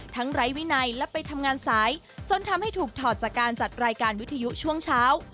ไร้วินัยและไปทำงานสายจนทำให้ถูกถอดจากการจัดรายการวิทยุช่วงเช้า